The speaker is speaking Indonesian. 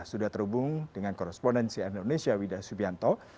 sudah terhubung dengan korespondensi indonesia wida subianto